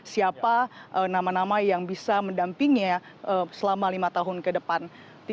siapa nama nama yang bisa mendampingnya selama lima tahun ke depan